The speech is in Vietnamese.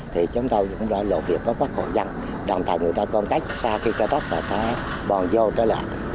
thì chúng tôi cũng đã lộ việc có các hồ dân đồng tài người ta con cách xa khi cao tốc và xa bòn vô tới làng